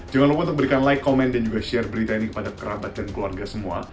jangan lupa untuk berikan like komen dan juga share berita ini kepada kerabat dan keluarga semua